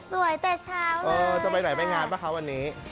แต่เช้าเออจะไปไหนไปงานป่ะคะวันนี้